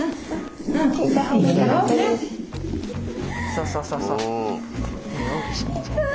そうそうそうそう。